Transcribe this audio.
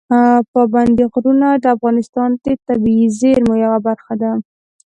پابندي غرونه د افغانستان د طبیعي زیرمو یوه برخه ده.